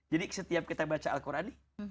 jadi setiap kita baca al quran nih